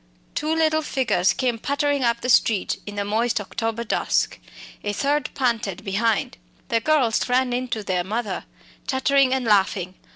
Two little figures came pattering up the street in the moist October dusk, a third, panted behind. The girls ran in to their mother chattering and laughing.